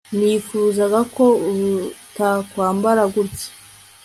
Nifuzaga ko utakwambara gutya